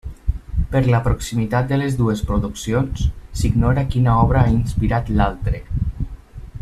Per la proximitat de les dues produccions, s'ignora quina obra ha inspirat l'altre.